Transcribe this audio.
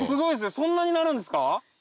そんなになるんですか？